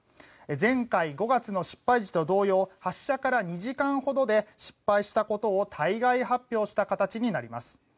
前回５月の失敗時と同様発射から２時間ほどで失敗したことを対外発表した形になります。